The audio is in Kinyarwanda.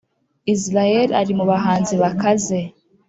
Israel ari mubahanzi bakaze